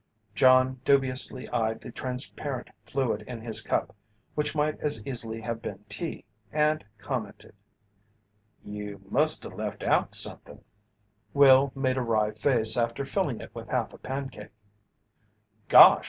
John dubiously eyed the transparent fluid in his cup which might as easily have been tea, and commented: "You musta left out somethin'." Will made a wry face after filling it with half a pancake: "Gosh!